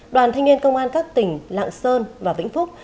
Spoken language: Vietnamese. đoàn thanh niên công an các tỉnh lạng sơn và vĩnh phúc